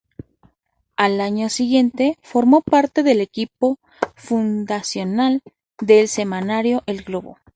Al año siguiente, formó parte de equipo fundacional del semanario "El Globo".